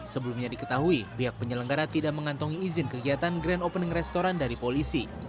sebelumnya diketahui pihak penyelenggara tidak mengantongi izin kegiatan grand opening restoran dari polisi